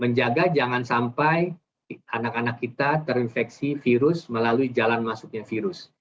menjaga jangan sampai anak anak kita terinfeksi virus melalui jalan masuknya virus